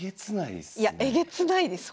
えげつないですね。